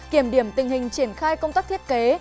kiểm điểm tình hình triển khai công tác thiết kế